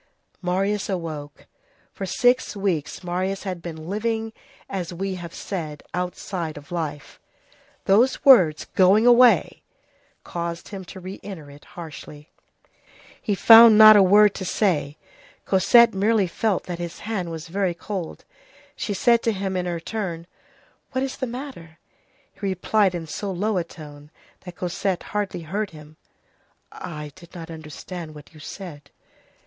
Marius awoke. For six weeks Marius had been living, as we have said, outside of life; those words, going away! caused him to re enter it harshly. He found not a word to say. Cosette merely felt that his hand was very cold. She said to him in her turn: "What is the matter?" He replied in so low a tone that Cosette hardly heard him:— "I did not understand what you said."